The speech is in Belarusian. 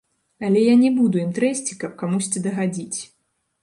Але я не буду ім трэсці, каб камусьці дагадзіць.